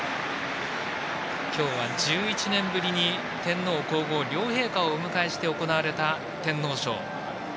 今日は、１１年ぶりに天皇・皇后両陛下をお迎えして行われた天皇賞。